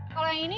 kalau yang ini